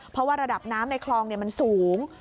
เพราะว่าระดับน้ำในคลองมันสูง